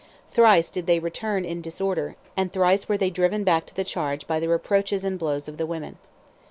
Thrice did they retreat in disorder, and thrice were they driven back to the charge by the reproaches and blows of the women.